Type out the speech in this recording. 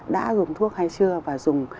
đã dùng thuốc hay chưa và dùng